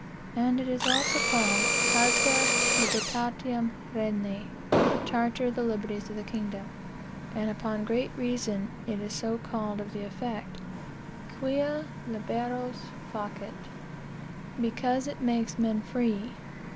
"And it is also called Charta Libertatum regni, (Charter of the liberties of the kingdom;) and upon great reason it is so called of the effect, quia liberos facit, (because it makes men free.)